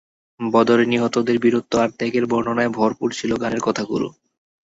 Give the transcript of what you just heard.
বদরে নিহতদের বীরত্ব আর ত্যাগের বর্ণনায় ভরপুর ছিল গানের কথাগুলো।